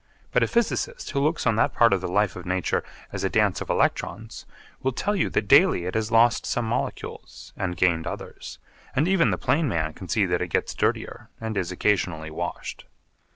But a physicist who looks on that part of the life of nature as a dance of electrons, will tell you that daily it has lost some molecules and gained others, and even the plain man can see that it gets dirtier and is occasionally washed.